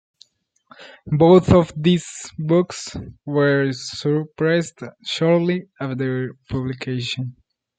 Both of these books were suppressed shortly after their publication.